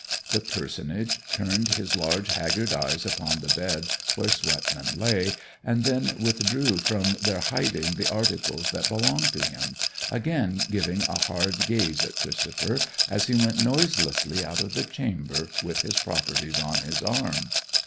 The personage turned his large haggard eyes upon the bed where Swetman lay, and then withdrew from their hiding the articles that belonged to him, again giving a hard gaze at Christopher as he went noiselessly out of the chamber with his properties on his arm.